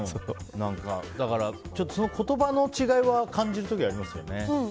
だからその言葉の違いは感じる時ありますよね。